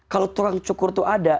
kalau tukang cukur itu ada